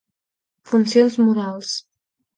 Funcions modals.